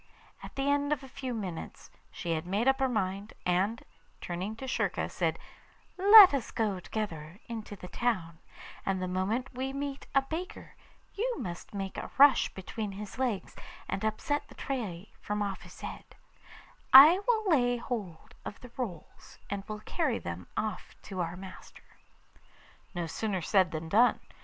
At the end of a few minutes she had made up her mind, and, turning to Schurka, said: 'Let us go together into the town, and the moment we meet a baker you must make a rush between his legs and upset the tray from off his head; I will lay hold of the rolls, and will carry them off to our master.' No sooner said than done.